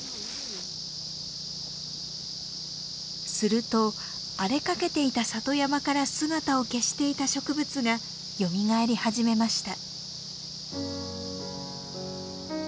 すると荒れかけていた里山から姿を消していた植物がよみがえり始めました。